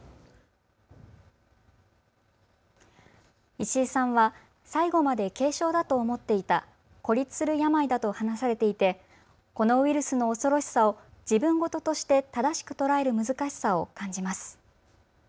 石井さんは最後まで軽症だと思っていた、孤立する病だと話されていてこのウイルスの恐ろしさを自分事として正しく捉える難しさを感じます。